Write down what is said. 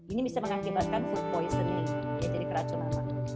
ini bisa mengakibatkan food poisoning jadi keracunan